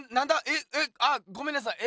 ええあごめんなさい！